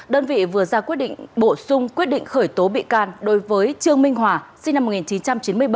đơn vị vừa ra quyết định bổ sung quyết định khởi tố bị can đối với trương minh hòa sinh năm một nghìn chín trăm chín mươi bảy